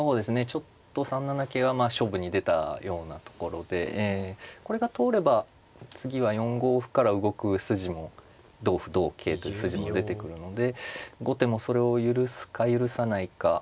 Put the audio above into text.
ちょっと３七桂はまあ勝負に出たようなところでこれが通れば次は４五歩から動く筋も同歩同桂という筋も出てくるので後手もそれを許すか許さないか。